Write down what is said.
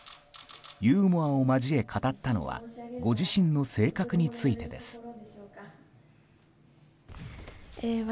ユーモアを交え語ったのはご自身の性格についてです。